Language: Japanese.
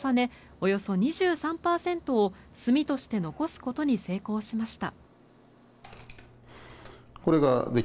およそ２３％を炭として残すことに成功しました。